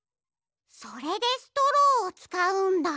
それでストローをつかうんだ。